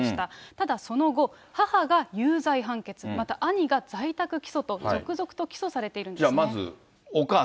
ただ、その後、母が有罪判決、また兄が在宅起訴と、続々と起訴されているんですね。